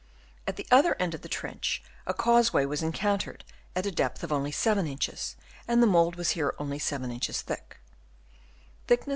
At the other end of the trench, a causeway was encountered at a depth of only 7 inches, and the mould was here only 7 inches thick 24 9.